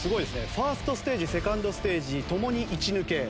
ファーストステージセカンドステージ共に１抜け。